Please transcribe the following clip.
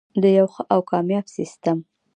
د یو ښه او کامیاب سیستم.